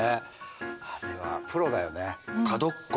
あれはプロだよね。